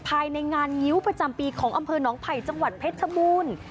ภายในงานงิ้วประจำปีของอำเภอหนองไผ่จังหวัดเพชรชบูรณ์